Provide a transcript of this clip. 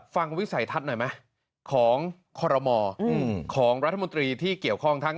วิสัยทัศน์หน่อยไหมของคอรมอของรัฐมนตรีที่เกี่ยวข้องทั้ง